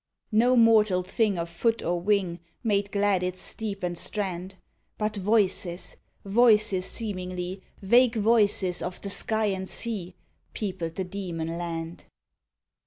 No mortal thing of foot or wing Made glad its steep and strand; But voices, voices seemingly Vague voices of the sky and sea Peopled the demon land.